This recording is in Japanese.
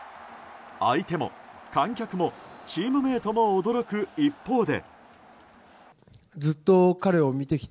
相手も観客もチームメートも驚く一方で。